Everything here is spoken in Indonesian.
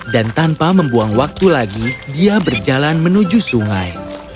dan tanpa membuang waktu lagi dia berjalan menuju sungai